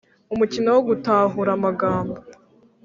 Umukino wo gutahura amagambo